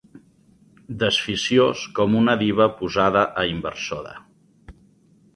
Desficiós com una diva posada a inversora.